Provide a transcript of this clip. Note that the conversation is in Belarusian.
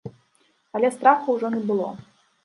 Але страху ўжо не было.